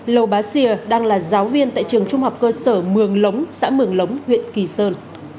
lầu bá xìa đang là giáo viên tại trường trung học cơ sở mường lống xã mường lống huyện kỳ sơn